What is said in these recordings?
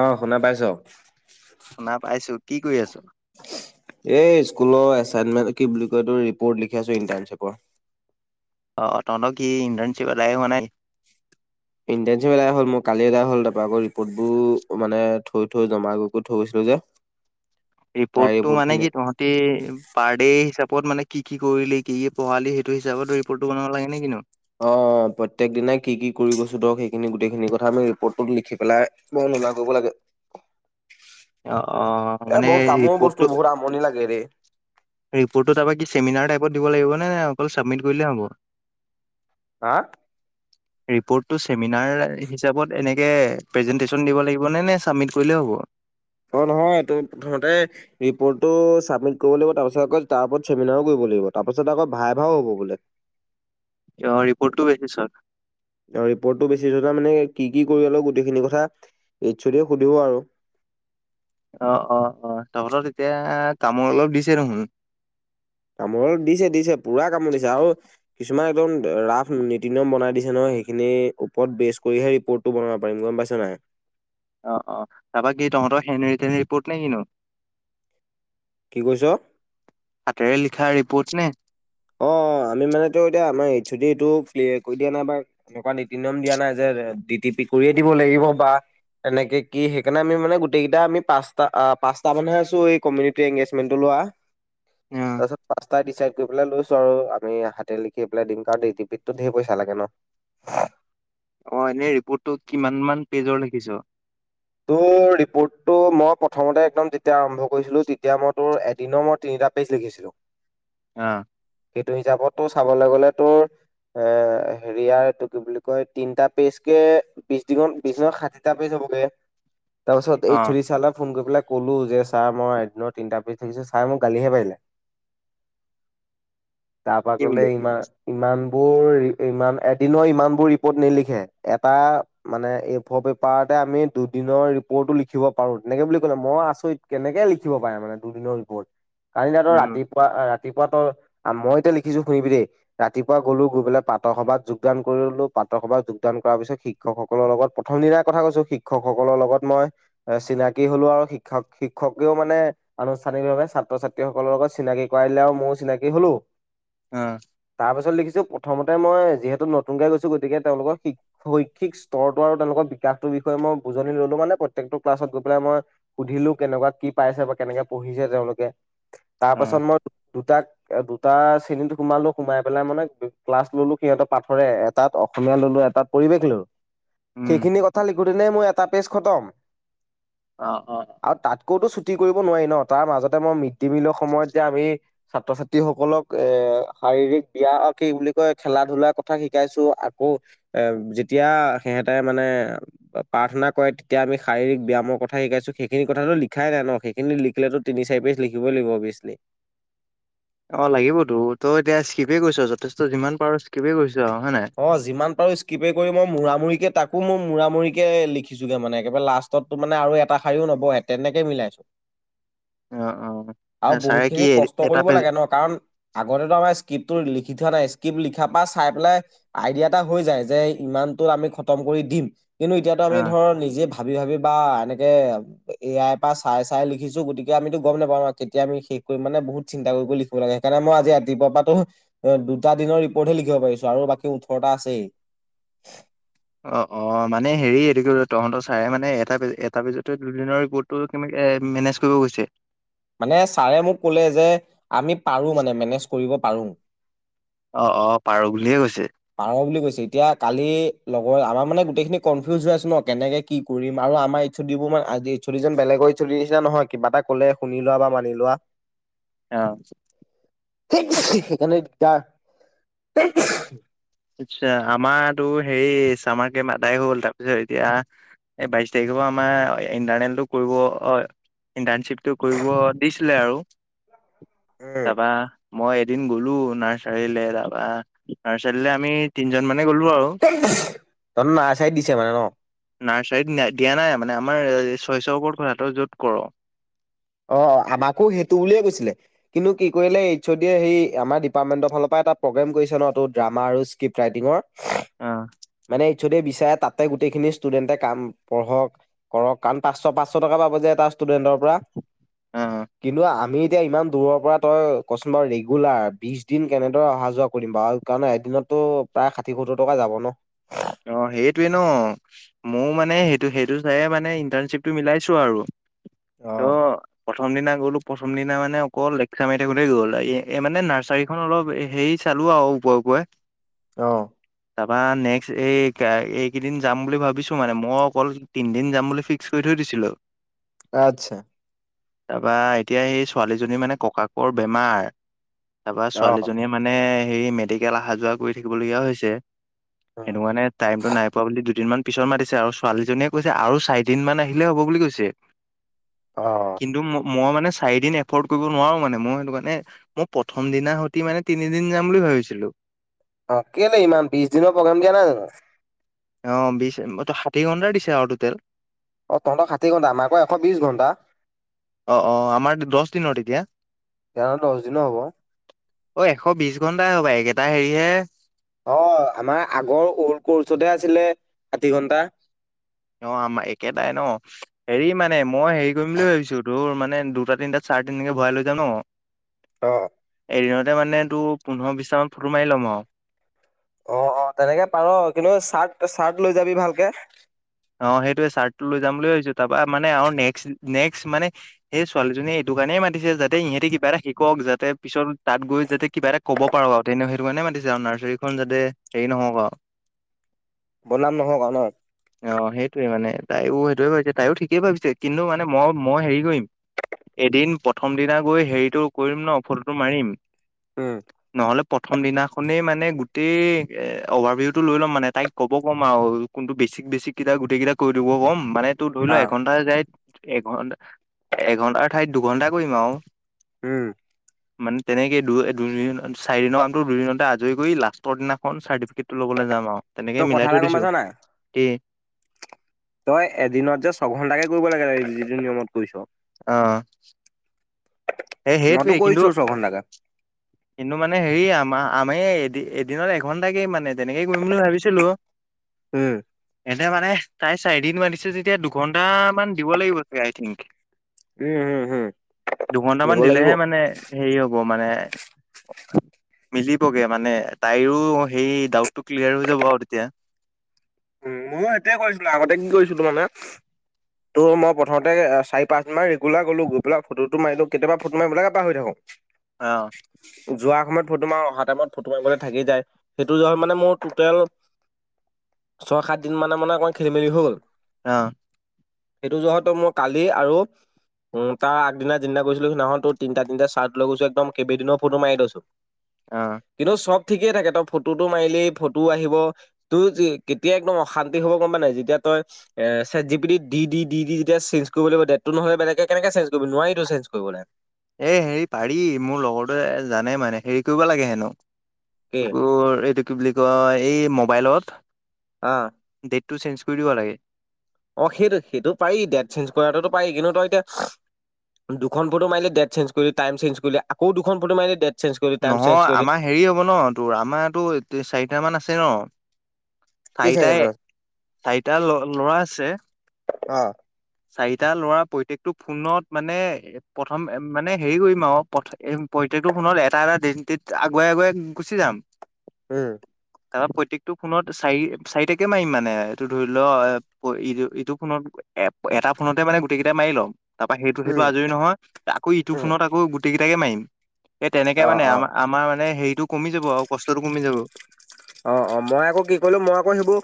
অ', শুনা পাইছ? শুনা পাইছো কি কৰি আছ? এই স্কুলৰ এছাইনমেণ্ট, কি বুলি কয় ৰিপৰ্ট লিখি আছো ইটাৰশ্বিপৰ। অ', তহঁতৰ কি ইন্ধাৰনশিপ এদায় হোৱা নাই? ইণ্টেনশপ এদাই হ'ল, মোৰ কালি এদাই হ'ল। তাৰপৰা আকৌ ৰিপৰ্ট বোৰ মানে থৈ থৈ জমা কৰি কৰি থৈ গৈছিলো যে। তাৰে ৰিপৰ্টটো ৰিপৰ্ট মানে খিনি কি তহঁতি পাৰ দে হিচাপত মানে কি কি কৰিল কি পঢ়ালি সেইটো হিচত ৰিপৰ্টো বনাব লাগেনে কিনো? অ', প্ৰত্যেক দিনা কি কি কৰি গৈছো ধৰক সেইখিনি গোটেইখিনি কথা আমি ৰিপৰ্টত লিখি পেলাই [unintelligible] কৰিব লাগে। অ অ এ মানে বহুত কামোৰৰ ৰিপৰ্টটো বস্তু, বহুত আমনি লাগে ৰে। ৰিপৰ্টটো তাৰমানে কি চেমিনাৰ টাইপত দিব লাগিব নে, নে অকল ছাবমিট কৰিলেই হ'ব? হা? ৰিপ্ৰটটো চেমিনাৰ হিচাপত এনেকে প্ৰেজেণ্টেছন দিব লাগিব নে চাবমিট কৰিলেও হব? হ'ব? অ', নহয় তই প্ৰথমতে ৰিপৰ্টটো চাবমিট কৰিব লাগিব, তাৰপিছত আকৌ তাৰ ওপৰত চেমিনাৰও কৰিব লাগিব। তাৰ পাছত আকৌ ভাইভা হ'ব বোলে। অ', ৰিপৰ্টটো লেখিছ। আৰু ৰিপৰ্টটো বেছি মানে কি কি কৰিব লাগিব গোটেইখিনি কথা এইছ ও দি য়ে সুধিব আৰু। অ', অ', অ', তহঁতৰ তেতিয়া কামোৰ অলপ দিছে দেখুন। কামোৰ অলপ দিছে দিছে পুৰা কামোৰ দিছে আৰু কিছুমান একদম ৰাফ নীতি-নিয়ম বনাই দিছে নহয়। সেইখিনি ওপৰত বেচ কৰিহে ৰিপৰ্টটো বনাব পাৰিম গম পাইছা নে নাই। অ', অ', তাৰপা কি তহঁতৰ হেণ্ডৰিত্তেণ ৰিপৰ্ট নে কিনো? কি কৈছ? সেয়া ৰিপোৰ্টচ নে? অ, অ, আমি মানে তোৰ এতিয়া, আমাৰ এইছ অ' দি য়েটো ক্লেয়াৰ কৰি দিয়া নাই বা এনেকুৱা নীতি-নিয়ম দিয়া নাই যে ডি টি পি কৰি দিব লাগিব বা এনেকে কি সেইকাৰণে আমি মানে গোটেইকেইটা আমি পাঁচটা, পাঁচটা মান আছো, এই কমিউনিতি এংগেজমেন্তটোৰ লগত। অ পা- তাৰপিছত পাঁচটাই দিচাইড কৰি পেলাই লৈছো। আৰু আমি হাতে লিখি পেলাই দিম, কাৰণ ডি টি পিটো ধেৰ পইচা লাগে ন। অ', এনেই ৰিপৰ্টটো কিমান মান পেজৰ লিখিছ? তোৰ ৰিপৰ্টটো মই প্ৰথমতে একদম যেতিয়া আৰম্ভ কৰিছিলো তেতিয়া মই তোৰ এদিনৰ মই তিনি টা পেজ লিখিছিলো। অহ। সেইটো হিচাপত তোৰ চাবলৈ গ'লে তোৰ- এ হেৰিয়াৰ এইটো কি বুলি কয় তিনটা পেজ কে বিশ দিনত, বিশ দিনৰ ষাঠিটা পেজ হব। ব গে। তাৰ পিছত এইচ অ' দি চাৰলে ফোন কৰি পেলাই ক'লো যে- ছাৰ, মই এদিনত তিনটা পেজ লিখিছোঁ, ছাৰে মোক গালিহে পাৰিলে। [inaudible] তাৰপৰা ক'লে বুলি ইমান ইমান বোৰ, ইমান এদিনত ইমান বোৰ ৰিপৰ্ট নিলিখে, এটা মানে এই পেপাৰতে আমি দুদিনৰ ৰিপৰ্টটো লিখিব পাৰো, তেনেকে বুলি ক'লে। মই আচৰিত, কেনেকে লিখিব পাৰে মানে দুদিনৰ ৰিপৰ্ট। কাইলে আৰু উম ৰাতিপুৱা ৰা- ৰাতিপুৱা তোৰ, মই এতিয়া লিখিছো শুনিবি দেই, ৰাতিপুৱা গ'লো, গৈ পেলাই প্ৰাত সভাত যোগদান কৰি ল'লো প্ৰাত সভাত যোগান কৰাৰ পিছত, শিক্ষকসকলৰ লগত প্ৰথম দিনাৰ কথা কৈছো, শিক শিক্ষকসকলৰ লগত মই চিনাকি হ'লো আৰু শিক্ষক- শিক্ষকেও মানে আনুষ্ঠানিকভাৱে ছা ছাত্ৰ-ছাত্ৰীসকলৰ লগত চিনাকি কৰাই দিলে আৰু ময়ো চিনাকি হ'লো, অ তাৰ পিছত লিখিছো প্ৰথমতে, মই যিহেতু নতুনকৈ গৈছো গতিকে, তেওঁলোকৰ শৈক্ষিক স্তৰটো আৰু তেওঁলোকৰ বিকাশটোৰ প্ৰথমে মই বুজনি ল'লো, মানে প্ৰত্যেকটো ক্লাছত গৈ পেলাই মই সুধিলো, কেনেকুৱা কি পাইছে বা কেনেকে পঢ়িছে তেওঁ লোকে। তাৰ পাছত মই দুটাক টাত শ্ৰেণীত সোমালো, সোমাই পেলাই মানে ক্লাছ ল'লো সিহতৰ পাঠৰে, এটাত অসমীয়া ল'লো, এটা খিলো, উম সেইখিনি কথা লিখোতেনেই মোৰ এটা পেজ খটম। অ অ আৰু তাতকৈতো চু তি কৰিব নোৱাৰি ন, তাৰ মাজতে ম মিড দি মিলৰ সময়ত যে আমি ছাত্ৰ - ছাত্ৰীসকলক এ শাৰীৰিক ব্যাম আৰু কি বুলি কয়, খেলা- ধূলাৰ কথা শিকাইছো, আকৌ এ যেতিয়া সিহে তাৰ মানে প্ৰাৰ্থনা কৰে, তেতিয়া আমি শাৰীৰিক ব্যায়ামৰ কথা শিকাইছো, সেইখিনি কথাটো লিখাই নাই ন, সেইখিনি লিখিলেতো তিন চাৰি পেছ লিখিবই লাগিব অবিএছলি। অ লাগিবতো, তই এতিয়া স্কিপে কৰিছ, যথেষ্ট যিমান পাৰো স্কিপ ক অ যিমান পাৰো স্কিপে কৰি মই মূৰা-মুৰি কে তাক কো মোৰ মূৰা মূৰিকে লিখিছোগে মানে, একেবাৰে লাষ্টতো মানে আৰু এটা শাৰীও নবহে, তেনেকে মিলাইছো। অ অ আৰু ছাৰে কি বহুতখিনি কষ্ট এটা কৰিব পেজ লাগে ন, কাৰণ আগতেতো আমাৰ স্কিপ তোৰ লিখি থোৱা নাই, স্কিপ লিখা পা চাই পেলাই আইডিয়া এটা হৈ যায় যে, ইমানতো আমি খতম কৰি দিম, কিন্তু এতিয়াতো অ আমি ধৰ নিজে ভাবি ভাবি বা এনেকে এ আই পা চাই চাই লিখিছো, গতিকে আমিতো গম নোপাওঁ ন, কেতিয়া আমি শেষ কৰিম মানে বহুত চিন্তা কৰি কৰি লিখিব লাগে, সেইকাৰণে মই আজি ৰাতিপুৱা পা তোৰ দুটা দিনৰ ৰিপৰ্ট হে লিখিব পাৰিছো, আৰু বাকী উঠৰটা আছেই। অ অ মানে হেৰি এইটো কি তহঁতৰ চাৰে মানে, এটা পেজ এটা পেজতে দুদিনৰ গোটটো কেনেকে এ মেনেজ কৰিব কৈছে। মানে ছাৰে মোক ক'লে যে, আমি পাৰো মানে মেনেজ কৰিব পাৰো। অ অ পাৰোঁ বুলিহে কৈছে। পাৰ বুলি কৈছে এতিয়া কালি লগৰ আমাৰ মানে গোটেইখিনি কনফিউজ হৈ আছ ন, কেনেকে কি কৰিম আৰু আমাৰ ইচ্ছু দিব মানে আজি ইনচুলিজন বেলেগৰ ইনচুলি নিছিনা নহয়, কিবা এটা ক'লে শুনি লোৱা বা মানি লোৱা। অ। [unintelligible] সেইকাৰণে তাৰ [unintelligible] আচ্ছা। আমাৰো টোৰ হেৰি ছামাৰ কেম্প অদাই হল। তাৰপিছত এতিয়া এই বাইশ তাৰিখ টো আমাৰ ইণ্টাৰনেলটো কৰিব হয় ইণ্টাৰ্ণশ্বিপটো কৰিব দিছিলে আৰু উম তাপা, মই এদিন গ'লো নাৰ্চাৰীলৈ তাৰপা, নাৰ্চাৰী লে, তিনজন মান [unintelligible] নাৰ্চাৰীত দিছে মানে ন'। নাৰ্চাৰীত দিয়া নাই মানে আমাৰ ছয়শৰ ওপৰত কথা তই য'ত কৰ। অ, অ আমাকো সেইটো বুলিয়ে কৈছিলে। কিন্তু কি কৰিলে এইছ দিয়ে সেই আমাৰ ডিপাৰ্টমেন্টৰ ফালৰ পৰা এটা প্ৰগ্ৰেম কৰিছে ন তটো ড্ৰামা আৰু ক্ৰিপ্ট ৰাইটিঙৰ অহ '। মানে এইচ ও দি বিচাৰে তাতে গোটেই খিনি ষ্টুডেন্টে কাম পঢ়ক, কৰক কাৰণ পাছ, পাছ টকা পাব যে এটা ষ্টুডেণ্টৰ পৰা। অ কিন্তু আমি এতিয়া ইমান দূৰৰ পৰা তই কচোন বাৰু ৰেগুলাৰ বিশ দিন কেনেদৰে অহা যোৱা কৰিম বাৰু কাৰণে এদিনততো প্ৰায় ষাঠি, সত্তৰ টকা যাব ন। অ, সেইটোৱে ন, মোৰ মানে সেইটো সেইটো চাই মানে ইণ্টাৰ্ণশ্বিপটো মিলাইছো আৰু। ত অ', প্ৰথম দিনা গ'লো প্ৰথম দিনা মানে অকল লেকচা মাৰি থাকোতে গ'ল। মানে নাৰ্চাৰীখন অলপ হেৰি চালো চালো আৰু উপৰে, উপৰি। আহ'। তাৰপা নে এই এইকেইদিন যাম বুলি ভাবিছো মানে মই অকল তিনদিন যাম বুলি ফিক্স কৰি থৈ দিছিলোঁ। আত্ছা তাৰপৰা এতিয়া সেই ছোৱালীজনী মানে ককাকৰ বেমাৰ। তাৰাপৰা অ', ছোৱালীজনীয়ে মানে সেই মেডিকেল অহা যোৱা কৰি থাকিবলগীয়া হৈছে। সেনে মানে টাইমটো নাই পোৱা বুলি দুদিনমান পিছত মাতিছে আৰু ছোৱালীজনীয়ে কৈছে আৰু চাৰিদিন মান আহিলে হ'ব বুলি কৈছে। অ', কিন্তু মই মানে, চাৰি দিন এফৰ্ড কৰিব নোৱাৰোঁ মানে মই সেইটো মানে মই প্ৰথম দিনা সতি মানে তিনিদিন যাম বুলি ভাবিছিলোঁ। অ কেলে ইমান বিশ দিনৰ প্ৰগ্ৰাম দিয়া নাই জানো? অ বিশ ষাঠি ঘণ্টা দিছে আৰু টোটেল। অ তহঁতৰ ষাঠি ঘণ্টা, আমাৰাকৈ এশ বিশ ঘণ্টা। অ অ আমাৰ দহ দিনৰ এতিয়া। সিহঁতৰ দহ দিনৰ হ'ব। অ এশ বিশ ঘণ্টাই হ'বা এইকেইটা হেৰিহে। অ আমাৰ আগৰ ওল্ড কৰ্চতহে আছিলে ষাঠি ঘন্টা। অ আমাৰ একেটাই ন হেৰি মানে মই হেৰি কৰিম বুলি ভাবিছোঁ তোৰ মানে দুটা তিনিটাত। চাৰ্টিনকে ভয় লৈ যায় ন? অ এদিনতে মানে তোৰ পোন্ধৰ বিশটামান ফটো মাৰি ল'ম আৰু। অ অ তেনেকে পাৰ কিন্তু চাৰ্ট চাৰ্ট লৈ যাবি ভালকে। অ সেইটোয়ে চাৰ্টটো লৈ যাম বুলি ভাবিছো তাপা মানে আৰু নেক্স নেক্স মানে সেই ছোৱালীজনীয়ে এইটো। দোকানে মাতিছে যাতে ইহঁতে কিবা এটা শিকক যাতে পিছত তাত গৈ যাতে কিবা এটা কব পাৰক আৰু তেনেও সেইটো কাৰণে দি আৰু নাৰ্চাৰীখন যাতে হেৰি নহওক আৰু। বনাম নহওক আনক। অ সেইটোৱে মানে তাইয়ো সেইটোয়ে ভাবিছে তাইয়ো ঠিকেই ভাবিছে কিন্তু মানে মই মই হেৰি কৰিম, এদিন প্ৰথম দিন গৈ হেৰিটো কৰিম ন ফটোটো মাৰিম। উম, নহ'লে প্ৰথম দিনা। নেই মানে গোটেই এ অভাৰভিউতটো লৈ ল'ম মানে তাইক ক'ব ক'ম আৰু কোনটো বেছিক বেছিক কেইটা গোটেই কেইটা কৰি দিব ক'ম মানে তোৰ ধৰি ল অ', এঘন্টা যাই এঘটা, এঘণ্টাৰ ঠাইত দুঘন্টা কৰিম আৰু। উম। মানে তেনেকে দুই দুিন চাৰি দিনৰ কামতো দুদিনতে আজৰি কৰি লাষ্টৰ দিনাখন চাৰ্টিফিকেট টো ল'বলৈ যাম আৰু তই তেনেকে কথা মিলাই এটা থৈ গম পাইছ দিছো। নাই? কি তই এদিনত যে ছঘন্টাকে কৰিব লাগে যিটো নিয়মত কৰিছ। আহ, মইতো কৰিছো ছঘন্টা কাম, কিন্তু মানে হেৰি আম আমি এদ এদিনত এঘন্টাকে মানে তেনেকেই কৰিম বুলি ভাবিছিলো। উম এতিয়া মানে। তাই চাৰিদিন মতিছে যেতিয়া দুঘন্টা মান দিব লাগিব চাগে আই থিংক, উম হম হম দুঘন্টামান দিব লাগিব দিলেহে মানে হেৰি হ'ব মানে, [unintelligible] মিলিবগে মানে তাইৰো সেই ডাউটটো ক্লিয়াৰ হৈ যাব আৰু তেতিয়া। উম ময়ো সেইটয়ে কৰিছিলো, আগতে এদিন কৰিছিলো মানে। ত' মই প্ৰথমতে চাৰি পাঁচ দিন মান ৰেগুলাৰ গ'লো, গৈ পেলাই ফটো মাৰিলো, কেতিয়াবা ফটো মাৰিবলৈকে পাহৰি থাকো। অহ। যোৱাৰ সময়ত ফটো মাৰো অহা টাইমত ফটো মাৰিবলৈ থাকি যায়। সেইটো [unintelligible] মানে মোৰ টোটেল [unintelligible] ছয় সাত দিন মানৰ মানে অকণমান খেলি মেলি হৈ গল। অহ। সেইটো [unintelligible] মোৰ কালি আৰু উম, তাৰ আগদিনা চিদিনা কৰিছিলো সদিনাখন তোৰ তিনিটা তিনিটা চাৰ্ট লৈ গৈছো, একদম কেইবিদিনৰ ফটো মাৰি থৈছো। অ', কিন্তু চব ঠিকেই থাকে তই ফটোটো মাৰিলেই ফটো আহিব তোৰ কেতিয়া একদম অশান্তি হব গম পা নাই, যেতিয়া তই এ চেত জি পি তিক ডি ডি ডি ডি যেতিয়া চেঞ্জ কৰিব লাগিব দে ত নহলে বেলেগে কেনেকে চে্জ কৰিব? নোৱাৰি চেঞ্ কৰিবলৈ। এ হেৰি পাৰি মোৰ লগৰটোৱে জানে মানে হেৰি কৰিব লাগে হেনো কি এই এইটো কি বুলি কয় এই মোবাইলত অহ। টো চেঞজ কৰি দিব লাগে। অ', সেইটো সেইটো পাৰি ডেট চেঞ্জ কৰাটোতো পাৰি, কিন্তু তই এতিয়া দুখন ফটো মাৰিলে ডেট চেঞ্ কৰিলেটাইম চেঞ্জ কৰিলে আকৌ দুখন ফটো মাৰিলে ডেট চেঞ্জ কৰিলি টাইম চেঞ্জ নহয় কৰিলি আমাৰ হেৰি হ'ব ন, তোৰ আমাৰো চাৰিট মান আছে ন? কি চাৰিটা চাৰিটাই, মান আছে। চাৰিটা ল, লৰা আছে। অ চাৰিটা ল'ৰা প্ৰত্যেকটো ফোনত মানে প্ৰথম মানে হেৰি কৰিম আৰু গেটো ফোনত এটা এটা দিন তত আগুৱাই আগুৱাই গুচি যাম উম। তাৰপৰা প্ৰত্যেকটো ফোনত চাৰি চাৰিটাকে মাৰিম মানে এইটো ধৰি লোৱা ই ইটো ফোনত এ এটা ফোনতে মানে গোটেই কেইটা মাৰি ল'ম তাৰ পৰা সেইটো সেইটো উম আজৰি নহয় আকৌ ইটো উম ফোনত আকৌ গোটেইকেইটাকে মাৰিম। এই তেনেকে অ মানে অ আমাৰ আমাৰ মানে হেৰিটো কমি যাব আৰু কষ্টতটো কমি যাব। অ', অ', মই আকৌ কি কৰিলো মই আকৌ সেইবোৰ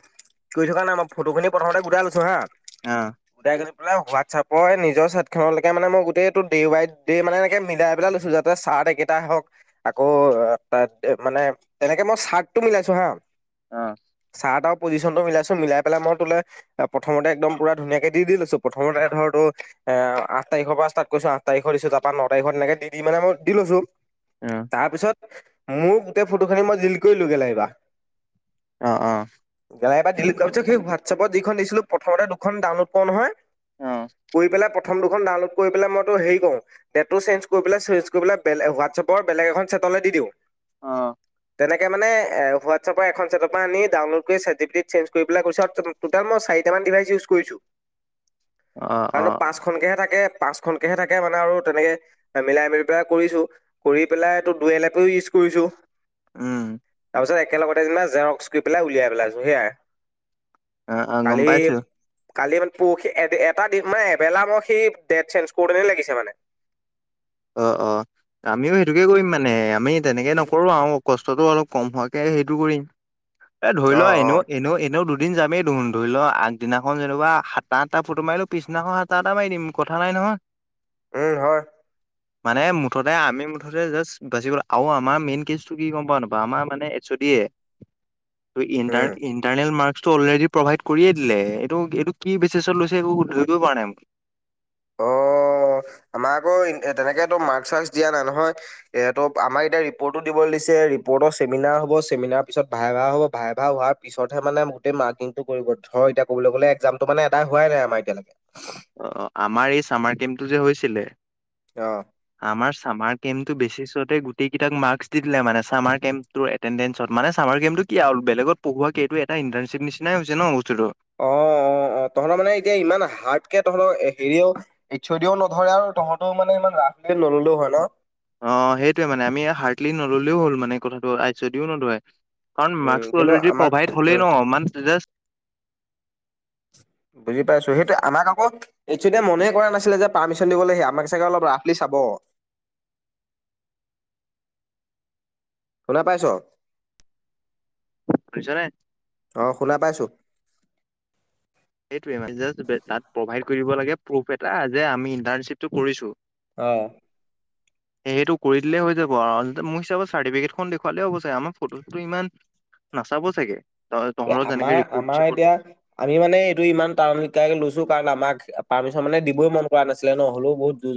কৰি থকা নাই মই ফটো খিনি প্ৰথমতে গোটাই লৈছো হা অহ হোৱাটছএপৰ নিজৰ চাইট খনৰলৈকে মে মই গোটেই এইটো ডে ৱাই ডে মানে এনেকে মিলাই পেলাই লৈছো যাতে চ ত একেইটাই হওঁক, আকৌ তাত মানে তেনেকে মই চাৰ্টটো মিলাইছো হা অহ। ত পজিচ্যনটো মিলাইছো মিলাই পেলাই মই তোলে প্ৰথমতে একদম পুৰা ধুনীয়াকে দি দি লৈছো প্ৰথমতে ধৰ তো অ', আঠ তাৰিখৰ পৰা ষ্টাৰ্ট কৰিছো আঠ তাৰিখৰ দিছো তাৰপৰা ন তাৰিখত তেনেকে দি দি মান মই দি লৈছো। তাৰপিছত মোৰ গোটেই ফটোখিনি মই জিল্ কৰিলো [unintelligible] এইবাৰ। অ', অ, [unintelligible] ডিলিট কৰা পিছত সেই হোৱাটছএপত যিখন দিছিলোঁ প্ৰথমতে দুখন ডাউনলোড কৰো নহয়। কৰি পেলাই প [unintelligible] দুখন ডাউনলোড কৰি পেলাই মই তোৰ হেৰি কৰোঁ, ডেটটো চেন্স কৰিপেলাই চেন্স কৰিপেলাই হোৱাটচেপৰ বেলেগ এখন চে [unintelligible] দি দিওঁ। অ', তেতিয়া মানে হোৱাটচেপৰ এখন ছেটৰ পৰা আনি ডাউনলোড কৰি চেত জিপি টিত চেঞ্জ কৰি পেলাই কৰি চাওঁ টোটেল মই চাৰিটা মান ডিভাইজ উছ কৰিছো। [unintelligible] অ অ কাৰণ পাঁচখনকেহে থাকে। পাঁচ খনকেহে থাকে মানে আৰু তেনেকে মিলাই মিলি পেলাই কৰিছো, কৰি পেলাইটো দুই এ লপেও ইজ কৰি [unintelligible] উম। তাৰপিছত একেলগতে যুনা জেৰক্স কৰি পেলাই উলিয়াই পেলাইছো সেয়াই অ', অ, গম কালি পাইছোঁ। কালি মান পৰখি এট-এটা [unintelligible] মানে এবেলা মই সেই ডেট চেঞ্জ কৰোতেনে লাগিছে মানে। অ', অ, আমিও সেইটোকে কৰিম মানে আমি তেনেকে নকৰোঁ আউ। কষ্টটো অলপ কম হোৱাকে সেইটো কৰিম, এ ধৰি লোৱা অ', অ', এনেও-এনেও-এনেও দু দুদিন যামেই দুখোন ধৰি লও আগদিনাখন যেনেকুৱা সাতটা আঠটা ফটো মাৰিলোঁ পিছদিনাখন সাতটা আঠা মাৰি দিম কথা নাই ন'। [unintelligible] উম, হয়। মানে মুঠতে আমি মুঠতে জাষ্ট বাচি গ'ল আৰু আমাৰ মেইন কেচটো কি গম পাওঁ নে আমাৰ মানে এইজ অ' ডিয়ে তোৰ উম। ইণ্টাৰ-ইণ্টাৰনেল মাৰ্ক [unintelligible] অলৰেডি প্ৰভাইড কৰিয়ে দিলে এইটো এইটো কি বেচিছত লৈছে একো ধৰিবই পৰা নাই। অ', অ', আমাক আকৌ তেনেকে মাৰ্ক- চাৰ্চ দিয়া নাই নহয়, এ ত' আমাক এতিয়া ৰিপটো দিব পিছে ৰিপতৰ চেমিনাৰ হ'ব চেমিনাৰ পিচত ভাইভা হ'ব ভাইভা হোৱাৰ পিছতহে মানে গোতেই মাৰ্কিংটো ৰিব ধৰ এতিয়া কবলৈ গলে একজামটো মানে এটা হোৱাই নাই আমাৰ এতিয়ালৈকে। অ আমাৰ কেমটো যে হৈছিলে, অ'। আমাৰ চামাৰ কেমটো বেচিছতে গোটেই কিতাক মাৰ্কচ দি দিলে মানে চামাৰ কেম্পটো এতেনন্দেন্সত মানে চামাৰ কেম্পটো কি আও বেলেগত পঢ়ুৱাকে এইটো এটা ইণ্টাৰ্ণচিপ নিচিনাই হৈছে ন বস্তুটো। অ অ অ। তহঁতৰ মানে এতিয়া ইমান হাৰ্ড কে তহঁতৰ হেৰিও এইচ অ দিও নধৰে আৰু তহঁতও মানে ইমান ৰাস নললো হয় ন। অ সেইটোৱে মানে আমি হাৰ্ডলি নললেও হ'ল মানে কথাটো এইচ অ দিও নধৰে। কাৰণ উম, মাস্কটো কিন্তু অলৰেদি আমাক প্ৰভাইড হ'লেই উম, ন মান জাষ্ট বুজি পাইছো সেইটো আমাক আকৌ এইচ অ দিও মনেই কৰা নাছিলে যে পাৰ্মিশন দিবলৈহে আমাক চাগে অলপ ৰাফলি চা হব। শুনা পাইছ, বুজিছানে অহ শুনা পাইছো। এইটোৱে মানে, জাষ্ট তাত প্ৰভাইড কৰি দিব লাগে প্ৰুফ এটা, যে আমি ইন্তৰ্ণশিপটো কৰিছো। অ। সেই সেইটো কৰি দিলেই হৈ যাব আৰু মোৰ হিচাপত চাৰ্টিফিকেটখন দেখুৱালে হ'ব চাগে আমাৰ ফটোটো ইমান নাচাব চাগে। এ তহঁতৰ যেনেকে আমাৰ ৰিপৰ্ট আমাৰ চিপৰ্ট এতিয়া আমি মানে এইটো ইমান [unintelligible] লৈছো কাৰণ আমাক পাৰ্মিশন মানে দিবই মন কৰা নাে ন হলেও বহুত যু